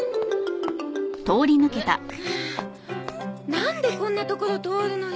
なんでこんな所通るのよ。